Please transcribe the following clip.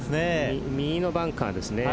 右のバンカーですね。